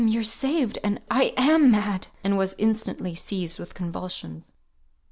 you're saved; and I am mad " and was instantly seized with convulsions.